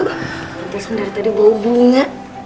tori rusuh dari tadi bau bunga